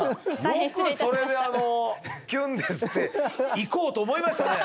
よくそれであの「キュンです」っていこうと思いましたね。